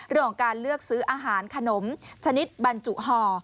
เรื่องของการเลือกซื้ออาหารขนมชนิดบรรจุห่อ